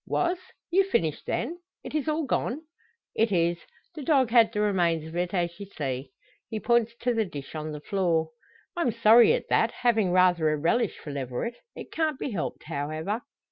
"Was! You've finished then. It is all gone?" "It is. The dog had the remains of it, as ye see." He points to the dish on the floor. "I'm sorry at that having rather a relish for leveret. It can't be helped, however."